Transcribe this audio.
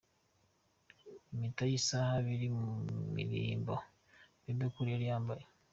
Impete n'isaha biri mu mirimbo Bebe Cool yari yambaye.